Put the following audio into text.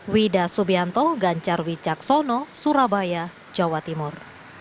wida subianto ganjar wicaksono surabaya jawa timur